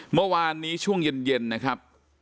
เมื่อวานนี้ช่วงเย็นนะครับ